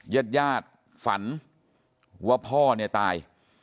ญาติญาติฝันว่าพ่อเนี่ยตาย